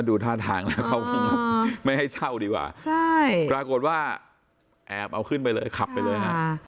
ดูท่าทางแล้วเขาคงไม่ให้เช่าดีกว่าใช่ปรากฏว่าแอบเอาขึ้นไปเลยขับไปเลยฮะ